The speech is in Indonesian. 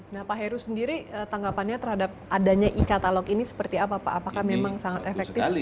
nah pak heru sendiri tanggapannya terhadap adanya e katalog ini seperti apa pak apakah memang sangat efektif